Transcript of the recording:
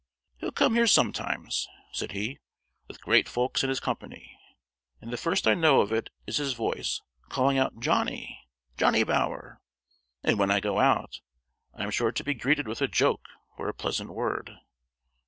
"He'll come here sometimes," said he, "with great folks in his company, an' the first I know of it is his voice, calling out 'Johnny! Johnny Bower!' and when I go out, I am sure to be greeted with a joke or a pleasant word.